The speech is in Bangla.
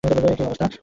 এ কী অবস্থা।